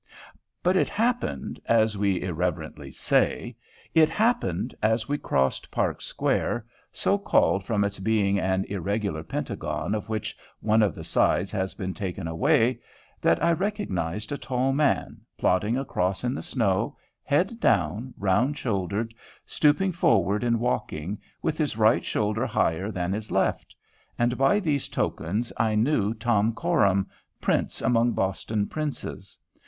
But it happened, as we irreverently say, it happened as we crossed Park Square, so called from its being an irregular pentagon of which one of the sides has been taken away, that I recognized a tall man, plodding across in the snow, head down, round shouldered, stooping forward in walking, with his right shoulder higher than his left; and by these tokens I knew Tom Coram, prince among Boston princes.